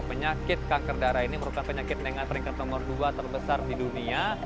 penyakit kanker darah ini merupakan penyakit dengan peringkat nomor dua terbesar di dunia